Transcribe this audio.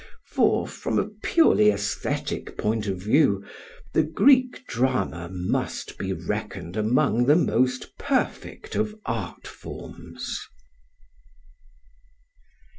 For from a purely aesthetic point of view the Greek drama must be reckoned among the most perfect of art forms.